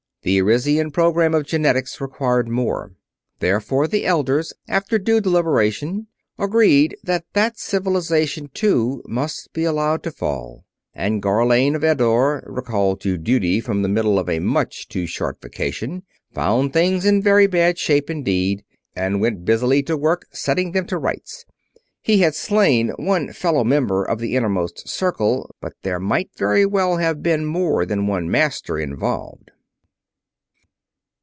The Arisian program of genetics required more. Therefore the Elders, after due deliberation, agreed that that Civilization, too, must be allowed to fall. And Gharlane of Eddore, recalled to duty from the middle of a much too short vacation, found things in very bad shape indeed and went busily to work setting them to rights. He had slain one fellow member of the Innermost Circle, but there might very well have been more than one Master involved.